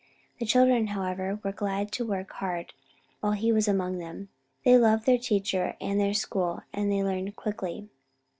The children, however, were glad to work hard while he was among them. They loved their teacher and their school, and they learned quickly.